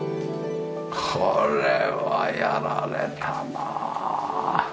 これはやられたなあ！